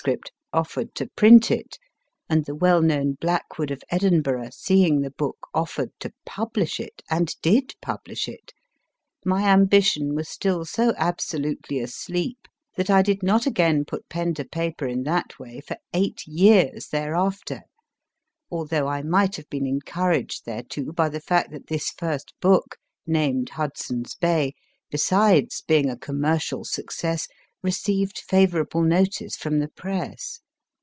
offered to print it, and the well known Blackwood of Edinburgh, seeing the book, offered to publish it and did publish it my ambition was still so absolutely asleep that I did not again put pen to paper in that way for eight years thereafter, although I might have been encouraged thereto by the fact that this first book named * Hudson s Bay besides being a commercial success, received favour able notice from the Press.